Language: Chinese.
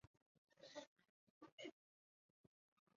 现今此楼为大连市民政局下属大连慈善总会的办公楼。